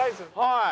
はい。